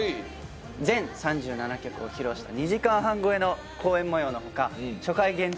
全３７曲を披露した２時間半超えの公演模様の他初回限定